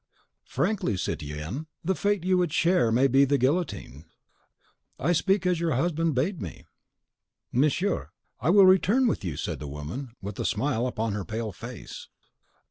Frankly, citoyenne, the fate you would share may be the guillotine. I speak (as you know by his letter) as your husband bade me." "Monsieur, I will return with you," said the woman, with a smile upon her pale face.